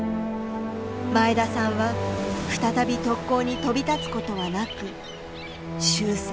前田さんは再び特攻に飛び立つことはなく終戦。